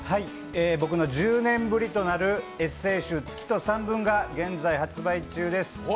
僕の１０年ぶりとなるエッセイ集「月と散文」が現在発売中です。